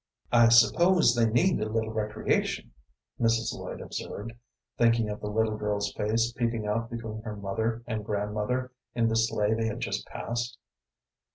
"I suppose they need a little recreation," Mrs. Lloyd observed, thinking of the little girl's face peeping out between her mother and grandmother in the sleigh they had just passed.